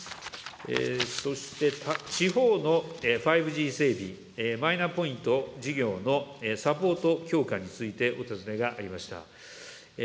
そして、地方の５Ｇ整備、マイナポイント事業のサポート強化について、お尋ねがありました。